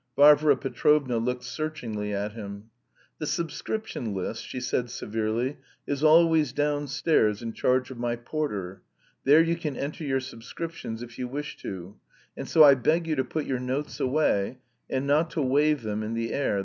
Varvara Petrovna looked searchingly at him. "The subscription list," she said severely, "is always downstairs in charge of my porter. There you can enter your subscriptions if you wish to. And so I beg you to put your notes away and not to wave them in the air.